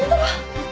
えっ！